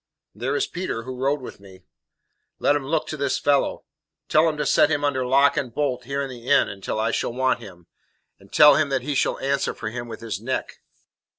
"There is Peter, who rode with me." "Let him look to this fellow. Tell him to set him under lock and bolt here in the inn until I shall want him, and tell him that he shall answer for him with his neck."